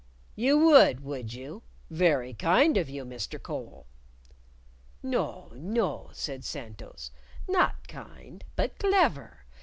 "You would, would you? Very kind of you, Mr. Cole!" "No, no," said Santos; "not kind, but clever!